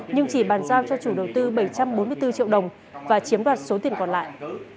nhưng chỉ bàn giao cho chủ đầu tư bảy trăm bốn mươi bốn triệu đồng và chiếm đoạt số tiền còn lại